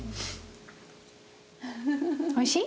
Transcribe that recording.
おいしい？